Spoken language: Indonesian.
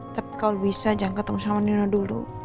tapi kalau bisa jangan ketemu sama nino dulu